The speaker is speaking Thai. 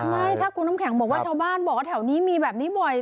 ไม่ถ้าคุณน้ำแข็งบอกว่าชาวบ้านบอกว่าแถวนี้มีแบบนี้บ่อย